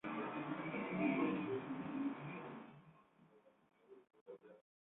Los siguientes veinte años estuvieron dominados por la guerra.